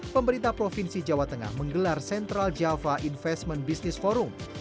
pemerintah provinsi jawa tengah menggelar central java investment business forum